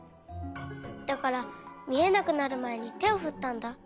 だからみえなくなるまえにてをふったんだ。